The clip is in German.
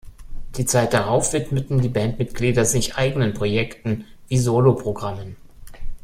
Die Zeit darauf widmeten die Bandmitglieder sich eigenen Projekten wie Soloprogrammen.